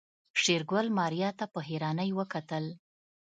شېرګل ماريا ته په حيرانۍ وکتل.